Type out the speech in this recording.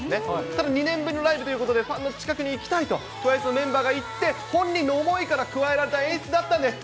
ただ、２年ぶりのライブということで、ファンの近くに行きたいと、ＴＷＩＣＥのメンバーが言って、本人の思いから加えられた演出だったんです。